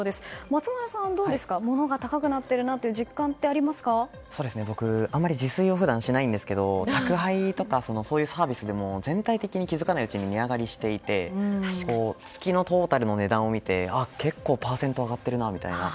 松丸さんはモノが高くなっているなという僕、普段自炊をあまりしないんですけど宅配とかそういうサービスでも全体的に気付かないうちに値上げしていて月のトータルの値段を見て結構パーセント上がっているなと。